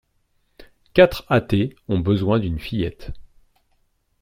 Quatre athées ont besoin d'une fillette.